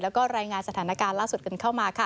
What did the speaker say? แล้วก็รายงานสถานการณ์ล่าสุดกันเข้ามาค่ะ